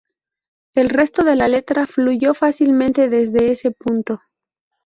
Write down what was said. El resto de la letra fluyó fácilmente desde ese punto.